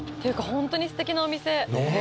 ホントにすてきなお店！